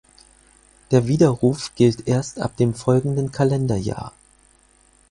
Der Widerruf gilt erst ab dem folgenden Kalenderjahr.